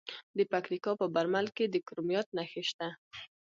د پکتیکا په برمل کې د کرومایټ نښې شته.